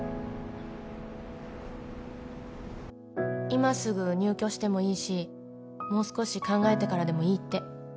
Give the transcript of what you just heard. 今すぐ入居してもいいしもう少し考えてからでもいいって。